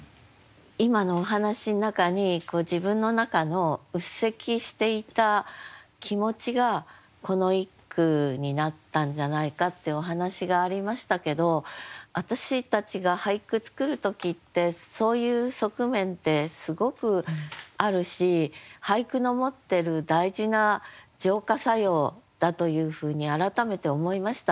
今のお話の中に自分の中のうっ積していた気持ちがこの一句になったんじゃないかってお話がありましたけど私たちが俳句作る時ってそういう側面ってすごくあるし俳句の持ってる大事な浄化作用だというふうに改めて思いました。